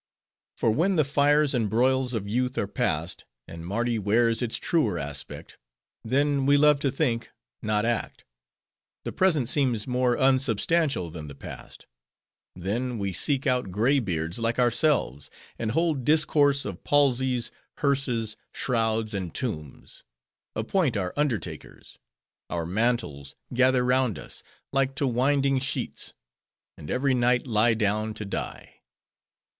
For when the fires and broils of youth are passed, and Mardi wears its truer aspect—then we love to think, not act; the present seems more unsubstantial than the past; then, we seek out gray beards like ourselves; and hold discourse of palsies, hearses, shrouds, and tombs; appoint our undertakers; our mantles gather round us, like to winding sheets; and every night lie down to die.